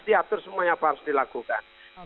diatur semuanya apa harus dilakukan